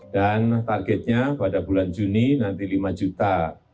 dan targetnya pada bulan juni nanti lima juta